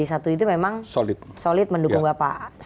itu memang solid mendukung nggak pak solid